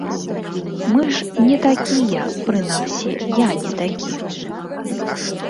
Мы ж не такія, прынамсі, я не такі.